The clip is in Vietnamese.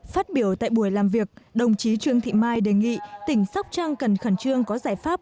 phát biểu tại buổi làm việc đồng chí trương thị mai đề nghị tỉnh sóc trăng cần khẩn trương có giải pháp